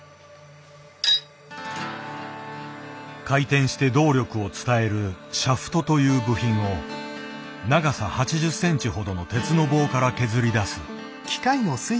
回転して動力を伝える「シャフト」という部品を長さ８０センチほどの鉄の棒から削り出す。